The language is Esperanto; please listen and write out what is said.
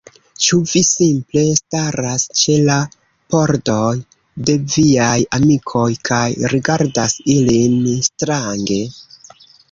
Ĉu vi simple staras ĉe la pordoj de viaj amikoj, kaj rigardas ilin strange?